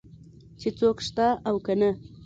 چې څوک شته او که نه.